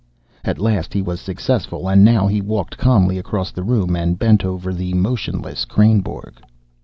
At last he was successful, and now he walked calmly across the room and bent over the motionless Kreynborg.